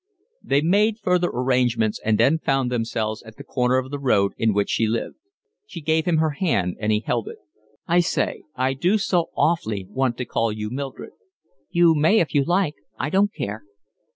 They made further arrangements, and then found themselves at the corner of the road in which she lived. She gave him her hand, and he held it. "I say, I do so awfully want to call you Mildred." "You may if you like, I don't care."